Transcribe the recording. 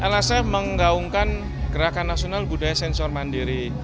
lsf menggaungkan gerakan nasional budaya sensor mandiri